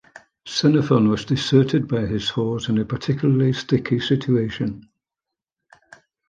Xenophon was deserted by his horse in a particularly sticky situation.